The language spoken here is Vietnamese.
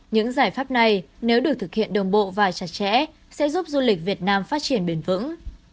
những giải pháp này nếu được thực hiện đồng bộ và chặt chẽ sẽ giúp du lịch việt nam phát triển bền vững